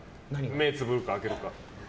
目をつぶるか開けるか。